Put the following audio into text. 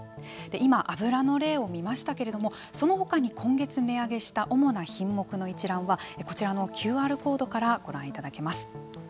今、油の例を見ましたけれどもその他に今月値上げした主な品目の一覧はこちらのＱＲコードからご覧いただけます。